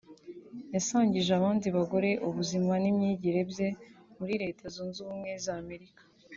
yasangije abandi bagore ubuzima n’ imyigire bye muri Leta Zunze Ubumwe za Amerika